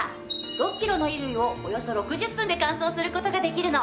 ６キロの衣類をおよそ６０分で乾燥する事ができるの！